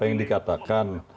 apa yang dikatakan